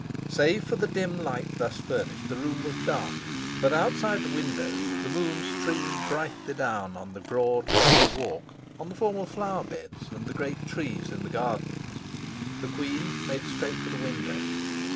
Save for the dim light thus furnished, the room was dark. But outside the windows the moon streamed brightly down on the broad gravel walk, on the formal flower beds, and the great trees in the gardens. The queen made straight for the window.